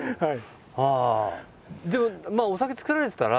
はい。